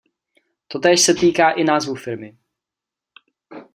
Totéž se týká i názvu firmy.